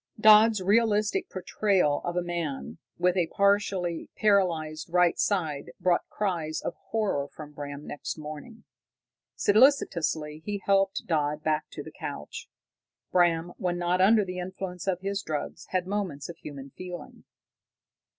Dodd's realistic portrayal of a man with a partly paralyzed right side brought cries of horror from Bram next morning. Solicitously he helped Dodd back to the couch. Bram, when not under the influence of his drug, had moments of human feeling.